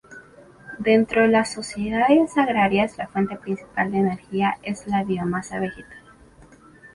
Dentro las sociedades agrarias la fuente principal de energía es la biomasa vegetal.